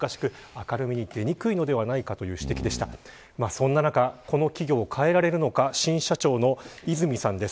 そんな中この企業を変えられるのか新社長の和泉さんです。